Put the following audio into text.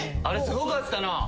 あれすごかったな。